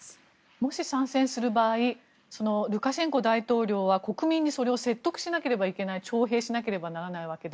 もし参戦する場合ルカシェンコ大統領は国民にそれを説得しなければいけない徴兵しなければならないわけで。